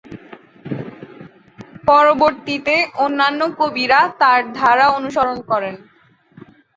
পরবর্তীতে অন্যান্য কবিরা তার ধারা অনুসরণ করেন।